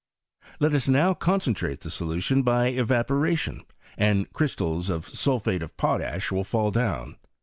Let us now con centrate the solution by evaporation, and crystals of sulphate of potash will fall down.